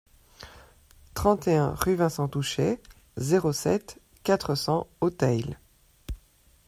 trente et un rue Vincent Touchet, zéro sept, quatre cents au Teil